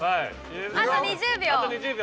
あと２０秒。